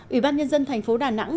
ủy ban nhân dân thành phố đà nẵng